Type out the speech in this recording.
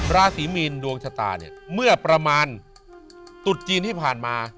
ราศีมีนดวงชะตาเนี่ยเมื่อประมาณตุดจีนที่ผ่านมา